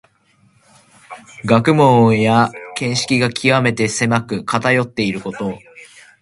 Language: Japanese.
学問や見識がきわめて狭く、かたよっていること。